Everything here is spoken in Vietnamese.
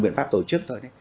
biện pháp tổ chức thôi